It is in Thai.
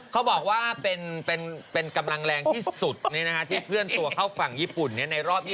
เขาบอกว่าเป็นกำลังแรงที่สุดที่เคลื่อนตัวเข้าฝั่งญี่ปุ่นในรอบ๒๐